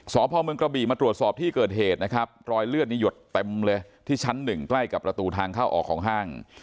สพเมืองกระบี่มาตรวจสอบที่เกิดเหตุนะครับรอยเลือดนี่หยดเต็มเลยที่ชั้นหนึ่งใกล้กับประตูทางเข้าออกของห้าง